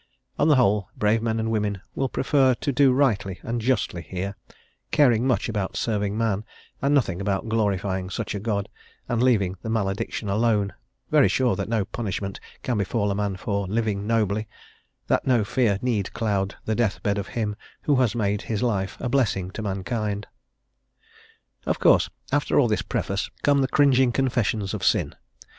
On the whole, brave men and women will prefer to do rightly and justly here, caring much about serving man, and nothing about glorifying such a God, and leaving the malediction alone, very sure that no punishment can befal a man for living nobly, and that no fear need cloud the death bed of him who has made his life a blessing to mankind. Of course, after all this preface, come cringing confessions of sin.